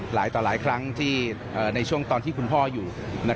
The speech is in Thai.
หลายต่อหลายครั้งในช่วงตอนที่คุณพ่ออยู่